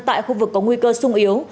tại khu vực có nguy cơ sung yếu